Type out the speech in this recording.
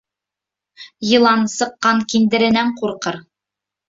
Йылан саҡҡан киндерәнән ҡурҡыр.